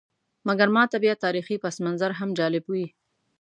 مګر ماته بیا تاریخي پسمنظر هم جالب وي.